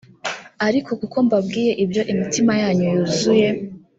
ariko kuko mbabwiye ibyo imitima yanyu yuzuye